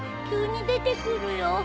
急に出てくるよ。